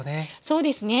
そうですね。